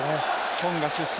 トンガ出身。